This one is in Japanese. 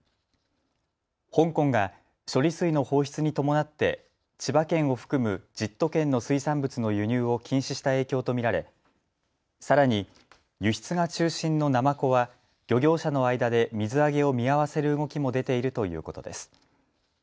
香港が処理水の放出に伴って千葉県を含む１０都県の水産物の輸入を禁止した影響と見られさらに輸出が中心のナマコは漁業者の間で水揚げを見合わせる動きも出ているということです。